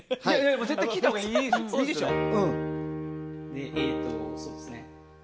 絶対聞いたほうがいいでしょう。